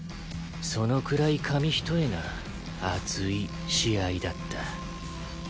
そのくらい紙一重な熱い試合だった。